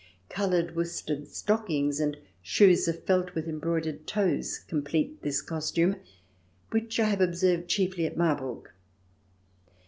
Coloured worsted stockings and shoes of felt with embroidered toes complete this costume, which I have observed chiefly at Marburg.